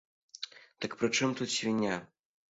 Так пры чым тут свіння?